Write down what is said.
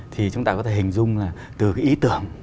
thì chúng ta có thể hình dung là từ cái ý tưởng